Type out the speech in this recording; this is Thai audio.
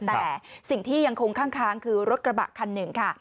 แต่สิ่งที่ยังคงข้างคือรถกระบะคันหนึ่งค่ะ